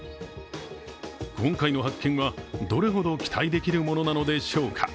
今回の発見はどれだけ期待できるものなのでしょうか。